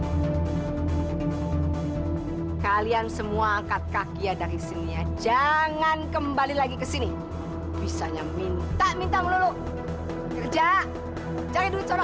hai kalian semua angkat kaki ya dari sini ya jangan kembali lagi ke sini bisanya minta minta melulu kerja cari dulu coro